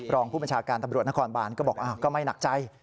รองผู้บัญชาการพบนครบาลก็บอกอ้าวก็ไม่หนักใจ